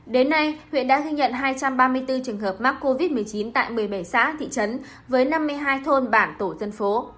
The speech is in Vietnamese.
đến nay huyện đã ghi nhận hai trăm ba mươi bốn trường hợp mắc covid một mươi chín tại một mươi bảy xã thị trấn với năm mươi hai thôn bản tổ dân phố